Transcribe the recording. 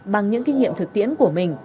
bằng những kinh nghiệm thực tiễn của mình